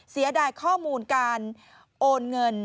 เสียดายข้อมูลการโอนเงิน